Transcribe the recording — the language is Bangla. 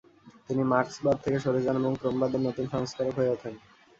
তিনি মার্ক্সবাদ থেকে সরে যান এবং ক্রমবাদের নতুন সংস্কারক হয়ে ওঠেন।